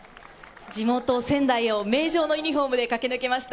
地元・仙台を名城のユニホームで駆け抜けました。